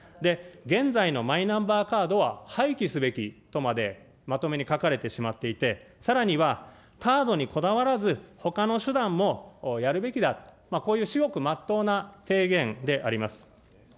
現在のマイナンバーカードは廃棄すべきとまでまとめに書かれてしまっていて、さらには、カードにこだわらず、ほかの手段もやるべきだと、こういう至極まっとうな提言であります。